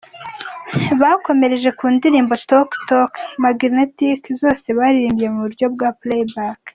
Bakomereje ku ndirimbo 'Talk Talk', 'Magnetic'zose baririmbye mu buryo bwa Play Back.